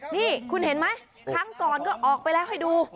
นี่คุณเห็นไหมครั้งก่อนก็ออกไปแล้วให้ดู